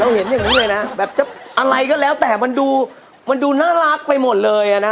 เราเห็นอย่างนี้เลยนะอะไรก็แล้วแต่มันดูน่ารักไปหมดเลยนะ